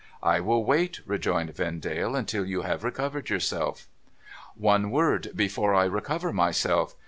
'I will wait,' rejoined Vendale, 'until you have recovered your self.' ' One word before I recover myself.